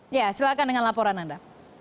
ya silahkan dengan laporan anda